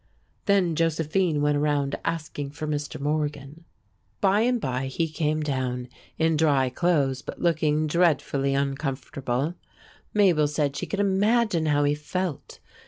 Then Josephine went around asking for Mr. Morgan. By and by he came down, in dry clothes but looking dreadfully uncomfortable. Mabel said she could imagine how he felt.